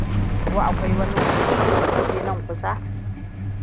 Ko akwai wani kogi wani waje nan kusa?